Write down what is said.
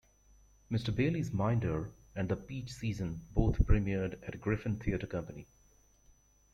"Mr Bailey's Minder" and "The Peach Season" both premiered at Griffin Theatre Company.